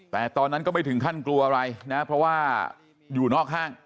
แต่ตอนนั้นก็ไม่ถึงขั้นกลัวอะไรนะเพราะว่าอยู่นอกห้าง